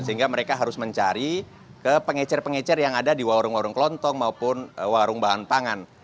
sehingga mereka harus mencari ke pengecer pengecer yang ada di warung warung kelontong maupun warung bahan pangan